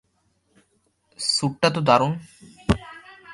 স্যুটটা তো দারুণ।